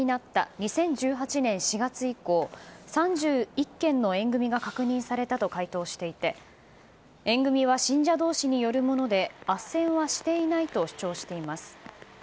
２０１８年４月以降３１件の縁組が確認されたと回答していて縁組は信者同士によるものであっせんはしていないと主張しています。